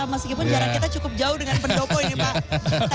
meskipun jarak kita cukup jauh dengan pendopo ini pak